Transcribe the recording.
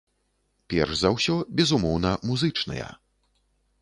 Перш за ўсё, безумоўна, музычныя.